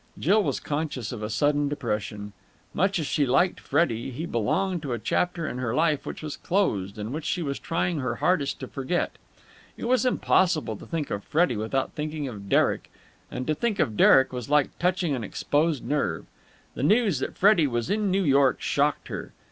Jill was conscious of a sudden depression. Much as she liked Freddie, he belonged to a chapter in her life which was closed and which she was trying her hardest to forget. It was impossible to think of Freddie without thinking of Derek, and to think of Derek was like touching an exposed nerve. The news that Freddie was in New York shocked her.